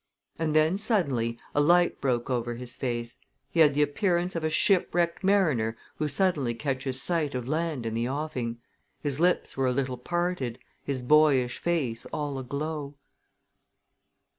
And then suddenly a light broke over his face. He had the appearance of a shipwrecked mariner who suddenly catches sight of land in the offing. His lips were a little parted, his boyish face all aglow.